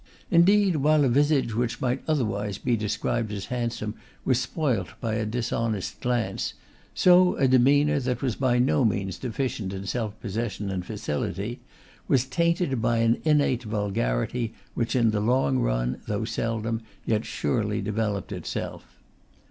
Indeed, while a visage which might otherwise be described as handsome was spoilt by a dishonest glance, so a demeanour that was by no means deficient in self possession and facility, was tainted by an innate vulgarity, which in the long run, though seldom, yet surely developed itself.